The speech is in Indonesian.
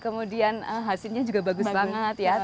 kemudian hasilnya juga bagus banget ya